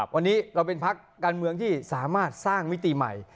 วันนี้เราเป็นพักการเมืองที่สามารถสร้างมิติใหม่